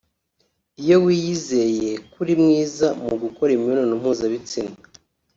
Iyo wiyizeye kuri mwiza mu gukora imibonano mpuzabitsina